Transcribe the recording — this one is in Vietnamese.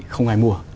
không ai mua